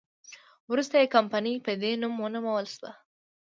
وروسته یې کمپنۍ په دې نوم ونومول شوه.